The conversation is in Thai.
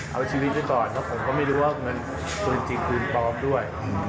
เอาชีวิตไว้ก่อนแล้วผมก็ไม่รู้ว่าเงินปืนจริงปืนปลอมด้วย